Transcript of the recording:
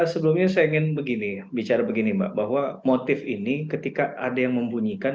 sebelumnya saya ingin begini bicara begini mbak bahwa motif ini ketika ada yang membunyikan